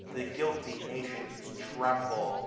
The guilty nations tremble.